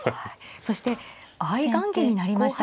そして相雁木になりました。